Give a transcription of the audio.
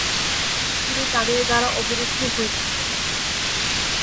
তিনি তাদের দ্বারা অবরুদ্ধ হয়ে থাকলেন।